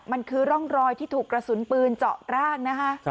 มันคือร่องรอยที่ถูกกระสุนปืนเจาะร่างนะคะ